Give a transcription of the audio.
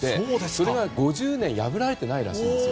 それが５０年破られていないらしいです。